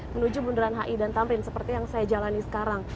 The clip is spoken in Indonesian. menuju bundaran hi dan tamrin seperti yang saya jalani sekarang